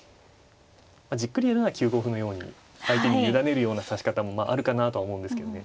じっくりやるなら９五歩のように相手に委ねるような指し方もあるかなとは思うんですけどね。